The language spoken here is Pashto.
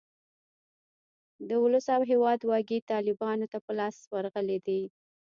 د اولس او هیواد واګې طالیبانو ته په لاس ورغلې دي.